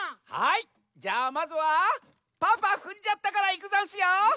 はいじゃあまずは「パパふんじゃった」からいくざんすよ。